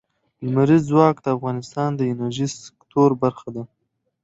لمریز ځواک د افغانستان د انرژۍ سکتور برخه ده.